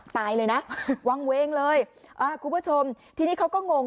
ตายเลยนะวางเวงเลยอ่าคุณผู้ชมทีนี้เขาก็งง